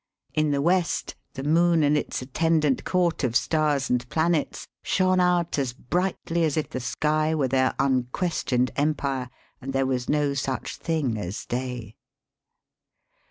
In the west the moon and its attendant court of stars and planets, shone out as brightly as if the sky were their unquestioned empire, and there was no such thing as day.